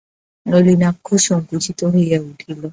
নলিনাক্ষ সংকুচিত হইয়া উঠিল।